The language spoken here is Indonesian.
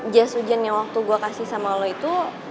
jas hujan yang waktu gue kasih sama lo itu